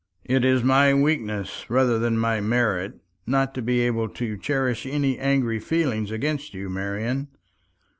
"It is my weakness, rather than my merit, not to be able to cherish any angry feeling against you, Marian.